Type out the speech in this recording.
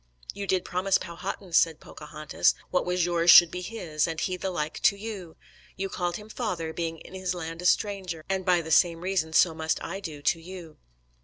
"You did promise Powhatan," said Pocahontas, "what was yours should be his, and he the like to you. You called him father, being in his land a stranger, and by the same reason so must I do to you."